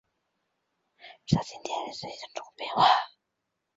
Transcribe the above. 直到今天依然在影响中国的文化。